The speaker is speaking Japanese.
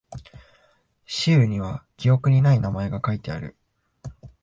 シールには記憶にない名前が書いてある。